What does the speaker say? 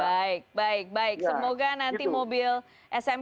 baik baik baik semoga nanti mobil smk itu bisa dikonsumsi